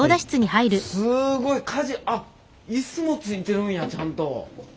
すごいあっ椅子もついてるんやちゃんと。